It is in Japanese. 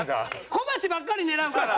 小鉢ばっかり狙うから！